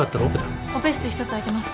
オペ室１つ空いてます。